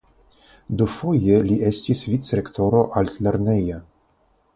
Dufoje li estis vicrektoro altlerneja.